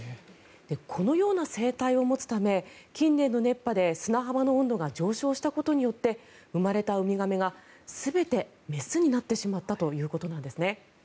このような生態を持つため近年の熱波で砂浜の温度が上昇したことによって生まれたウミガメが全て雌になってしまったということなんですね。